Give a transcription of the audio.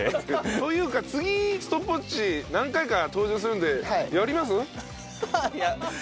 というか次ストップウォッチ何回か登場するんでやります？